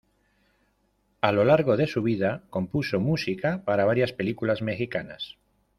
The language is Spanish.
A lo largo de su vida, compuso música para varias películas mexicanas.